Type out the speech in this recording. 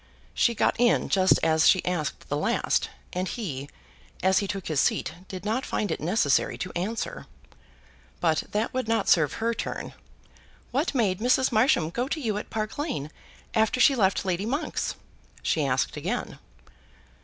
She got in just as she asked the last, and he, as he took his seat, did not find it necessary to answer it. But that would not serve her turn. "What made Mrs. Marsham go to you at Park Lane after she left Lady Monk's?" she asked again.